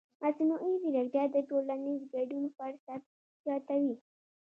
مصنوعي ځیرکتیا د ټولنیز ګډون فرصت زیاتوي.